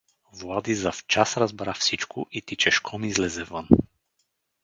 Влади завчас разбра всичко и тичешком излезе вън.